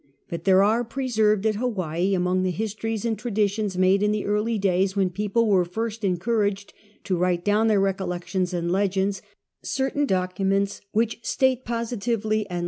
But there are preserved at Ha^vaii, among the histories and traditions made in the early days when the people were first encouraged to write down their recollections and legends, certain documents which state positively, and l